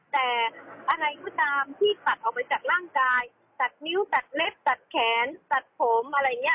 แต่อะไรก็ตามที่ตัดออกไปจากร่างกายตัดนิ้วตัดเล็บตัดแขนตัดผมอะไรอย่างนี้